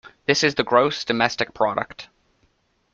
This is the gross domestic product.